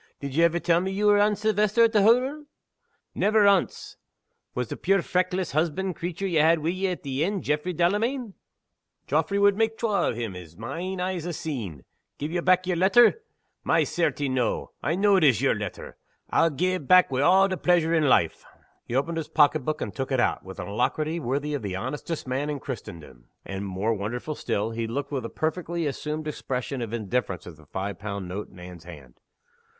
Did ye ever tell me ye were Anne Silvester, at the hottle? Never ance! Was the puir feckless husband creature ye had wi' ye at the inn, Jaffray Delamayn? Jaffray wad mak' twa o' him, as my ain eyes ha' seen. Gi' ye back yer letter? My certie! noo I know it is yer letter, I'll gi' it back wi' a' the pleasure in life!" He opened his pocket book, and took it out, with an alacrity worthy of the honestest man in Christendom and (more wonderful still) he looked with a perfectly assumed expression of indifference at the five pound note in Anne's hand.